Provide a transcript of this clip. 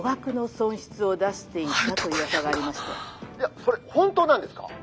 「それ本当なんですか？」。